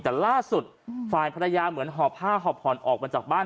แต่ล่าสุดฝ่ายภรรยาเหมือนหอบผ้าหอบผ่อนออกมาจากบ้าน